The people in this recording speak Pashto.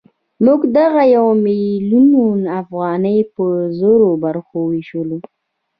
موږ دغه یو میلیون افغانۍ په زرو برخو وېشو